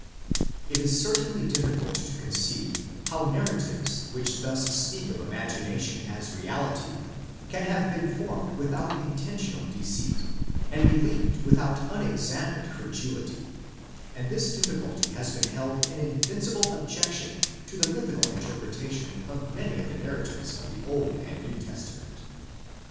It is certainly difficult to conceive, how narratives which thus speak of imagination as reality can have been formed without intentional deceit, and believed without unexampled credulity ; and this difficulty has been held an invincible objection to the mythical interpretation of many of the narratives of the Old and New Testament.